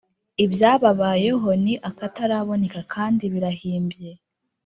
Ibyababayeho ni akataraboneka kandi birahimbye,